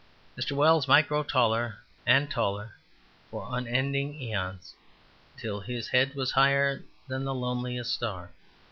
Mr. Wells might grow taller and taller for unending aeons till his head was higher than the loneliest star.